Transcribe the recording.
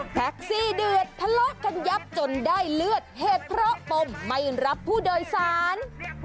แท็กซี่เดือดทะเลาะกันยับจนได้เลือดเหตุเพราะปมไม่รับผู้โดยสาร